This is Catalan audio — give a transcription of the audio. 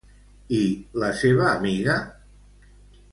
I la seva amiga?